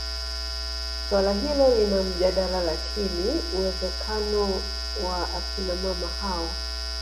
Suala hilo lina mjadala lakini uwezekano wa akina mama hao